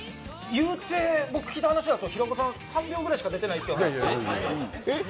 言うて、僕、聞いた話だと平子さん、３秒ぐらいしか出てないって。